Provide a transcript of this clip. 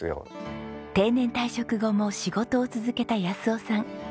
定年退職後も仕事を続けた夫さん。